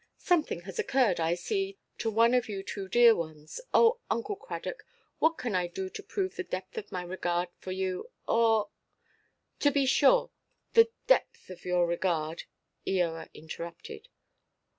"Something has occurred, I see, to one of you two dear ones. Oh, Uncle Cradock, what can I do to prove the depth of my regard for you? Or——" "To be sure, the depth of your regard," Eoa interrupted.